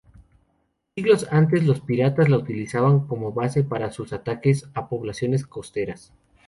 Siglos antes, los piratas la utilizaban como base para sus ataques a poblaciones costeras.